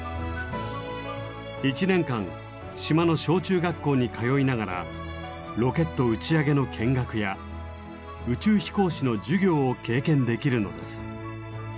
１年間島の小中学校に通いながらロケット打ち上げの見学や宇宙飛行士の授業を経験できるのです。